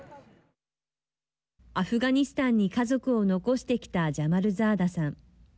アフガニスタンに家族を残してきたジャマルザーダさん。